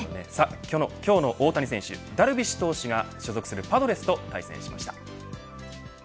今日の大谷選手ダルビッシュ投手が所属するパドレスと対戦しました。